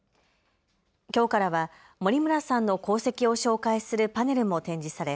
きょうからは森村さんの功績を紹介するパネルも展示され